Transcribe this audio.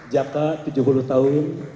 jaka tujuh puluh tahun